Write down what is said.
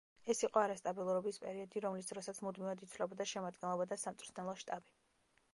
ეს იყო არასტაბილურობის პერიოდი, რომლის დროსაც მუდმივად იცვლებოდა შემადგენლობა და სამწვრთნელო შტაბი.